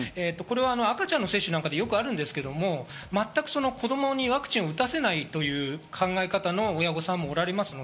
赤ちゃんの接種なんかでよくあるんですけど、全く子供にワクチンを打たせないという考え方の親御さんもおられます。